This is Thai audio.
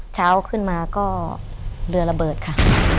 เช้าขึ้นมาก็เรือระเบิดค่ะ